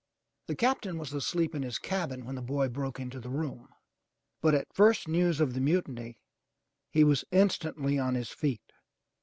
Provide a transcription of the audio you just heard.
The Captain was asleep in his cabin when the boy broke into the room, but at first news of the mutiny, he was instantly on his feet.